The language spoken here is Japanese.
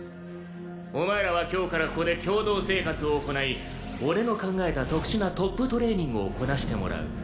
お前らは今日からここで共同生活を行い俺の考えた特殊なトップトレーニングをこなしてもらう。